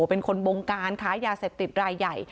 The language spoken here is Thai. เป็นคนบงการค้ายาเสพติดรายใหญ่